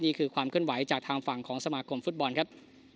นี่คือความเคลื่อนไหวจากทางฝั่งของสมาคมฟุตบอลครับ